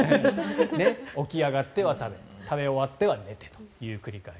起き上がっては食べ食べ終わっては寝てを繰り返し。